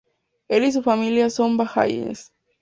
Él y su familia son bahaíes.